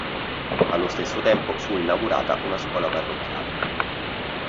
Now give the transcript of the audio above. Allo stesso tempo fu inaugurata una scuola parrocchiale.